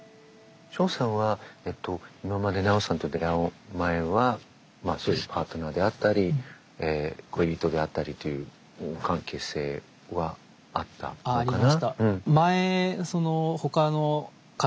ショウさんは今までナオさんと出会う前はまあそういうパートナーであったり恋人であったりという関係性はあったのかな？